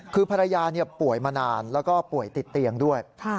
คือภรรยาป่วยมานานแล้วก็ป่วยติดเตียงด้วย